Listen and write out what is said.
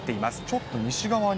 ちょっと西側に。